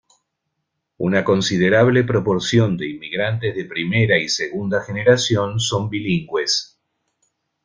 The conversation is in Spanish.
Una considerable proporción de inmigrantes de primera y segunda generación son bilingües.